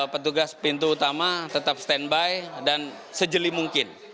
petugas pintu utama tetap stand by dan sejeli mungkin